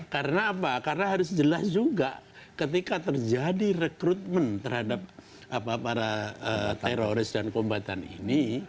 karena apa karena harus jelas juga ketika terjadi rekrutmen terhadap para teroris dan kombatan ini